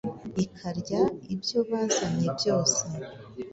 ikarya ibyo bazanye byose